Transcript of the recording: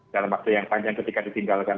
dalam waktu yang panjang ketika ditinggalkan